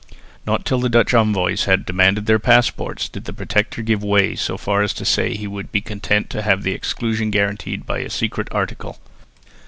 Not till the Dutch envoys had demanded their passports did the Protector give way so far as to say he would be content to have the exclusion guaranteed by a secret article.